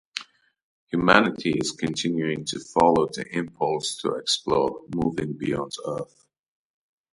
Humanity is continuing to follow the impulse to explore, moving beyond Earth.